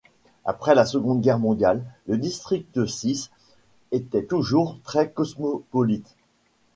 Après la Seconde Guerre mondiale, le District Six était toujours très cosmopolite.